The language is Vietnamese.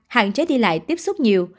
hạn chế đi lại tiếp xúc nhiễm